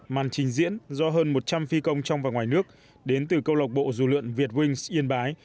màn trình diễn do hơn một trăm linh phi công trong và ngoài nước đến từ câu lọc bộ rủ lượn việt wings yên bái